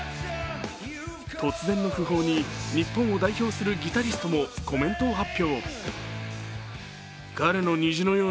突然の訃報に、日本を代表するギタリストもコメントを発表。